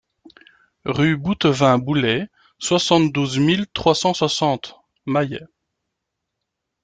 Rue Bouttevin Boullay, soixante-douze mille trois cent soixante Mayet